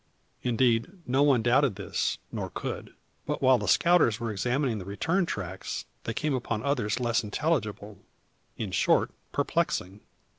Indeed no one doubted this, nor could. But, while the scouters were examining the return tracks, they came upon others less intelligible in short, perplexing.